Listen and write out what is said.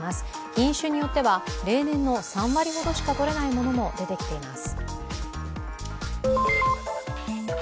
品種によっては例年の３割ほどしかとれないものも出てきています。